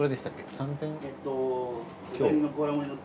３，０００円？